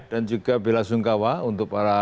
dan juga bila sungkawa untuk para